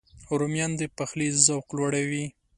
رومیان د پخلي ذوق لوړوي